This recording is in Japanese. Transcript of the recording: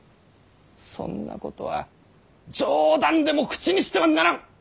そんなことは冗談でも口にしてはならぬ。